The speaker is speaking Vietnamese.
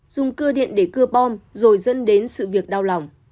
dùng cơ điện để cưa bom rồi dẫn đến sự việc đau lòng